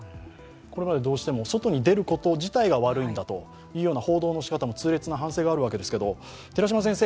これまで、どうしても外に出ること自体が悪いんだという報道のしかたも痛烈な反省があるわけですけれど、寺嶋先生